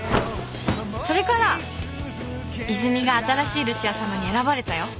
それから泉が新しいルチアさまに選ばれたよ」